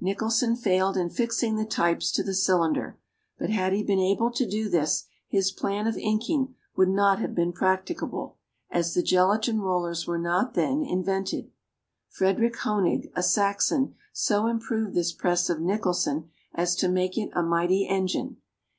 Nicholson failed in fixing the types to the cylinder; but had he been able to do this, his plan of inking would not have been practicable, as the gelatine rollers were not then invented. Frederick Hoenig, a Saxon, so improved this press of Nicholson as to make it a mighty engine.